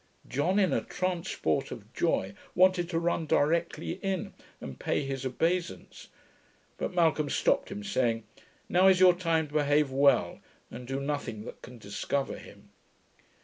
John, in a transport of joy, wanted to run directly in, and pay his obeisance; but Malcolm stopped him, saying, 'Now is your time to behave well, and do nothing that can discover him.'